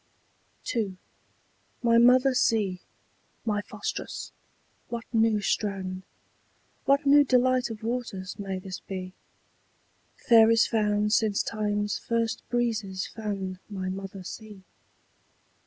II. My mother sea, my fostress, what new strand, What new delight of waters, may this be, The fairest found since time's first breezes fanned My mother sea?